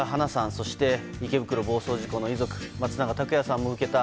そして池袋暴走事故の遺族松永拓也さんも受けた